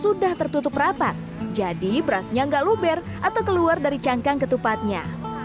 sudah tertutup rapat jadi berasnya nggak luber atau keluar dari cangkang ketupatnya